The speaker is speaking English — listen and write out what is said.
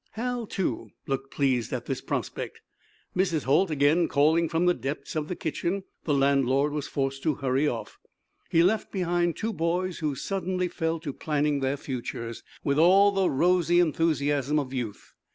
Hal, too, looked pleased at this prospect. Mrs. Holt again calling, from the depths of the kitchen, the landlord was forced to hurry off. He left behind two boys who suddenly fell to planning their futures with all the rosy enthusiasm of youth.